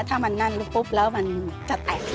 ถ้ามันนั่นปุ๊บแล้วมันจะแตก